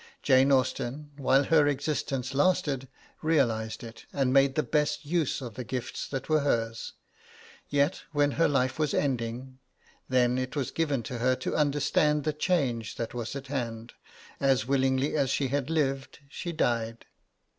Jane Austen, while her existence lasted, realised it, and made the best use of the gifts that were hers. Yet, when her life was ending, then it was given to her to understand the change that was at hand; as willingly as she had lived, she died.